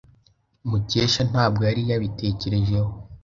Mukesha ntabwo yari yabitekereje.